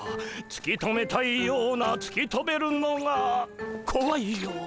つき止めたいようなつき止めるのがこわいような。